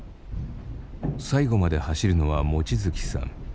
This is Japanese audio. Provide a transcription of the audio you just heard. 最後まで走るのは望月さん。